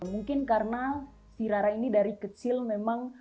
mungkin karena si rara ini dari kecil memang